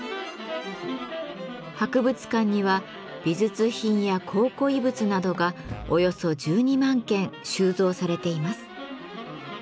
博物館には美術品や考古遺物などがおよそ１２万件収蔵されています。